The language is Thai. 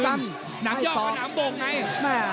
หนังย่อมาหนังโบกไง